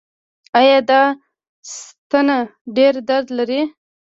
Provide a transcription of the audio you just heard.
ایا دا ستنه ډیر درد لري؟